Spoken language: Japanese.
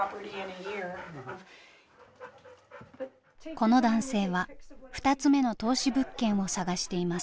この男性は２つ目の投資物件を探しています。